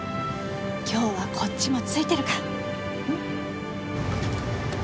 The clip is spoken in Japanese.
今日はこっちもツイてるか。